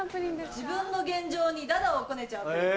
自分の現状に駄々をこねちゃうプリン。